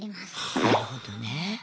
なるほどね。